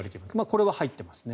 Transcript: これは入っていますね。